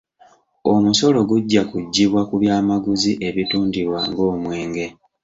Omusolo gujja guggyibwa ku byamaguzi ebitundibwa ng'omwenge.